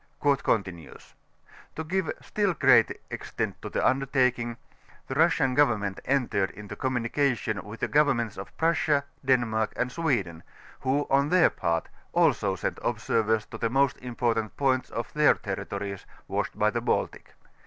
*^ To give still greater extent to the xindertaking, the Bussian Government entered into communication with the Grovemments of Frussia, Denmark, and Sweden, who, on their part, also sent observers to the most important points of their territories washed by the Bailie.